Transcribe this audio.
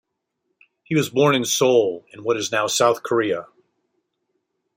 He was born in Seoul, in what is now South Korea.